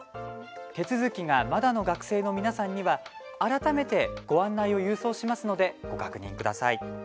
手続きがまだの学生の皆さんには改めてご案内を郵送しますのでご確認ください。